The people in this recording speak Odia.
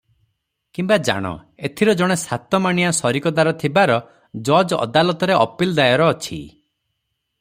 କିମ୍ବା ଜାଣ, ଏଥିର ଜଣେ ସାତ ମାଣିଆ ସରିକଦାର ଥିବାର ଜଜ୍ ଅଦାଲତରେ ଅପିଲ ଦାୟର ଅଛି ।